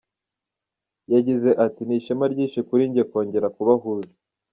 Yagize ati “Ni ishema ryinshi kuri njye kongera kubahuza.